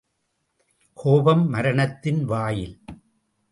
கோபம் மரணத்தின் வாயில்!